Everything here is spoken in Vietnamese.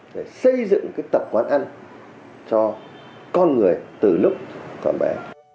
để xây dựng cái tập quán ăn cho con người từ lúc con bé